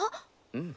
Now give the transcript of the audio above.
うん。